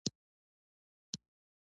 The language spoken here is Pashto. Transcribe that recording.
ایا کریم کاروئ؟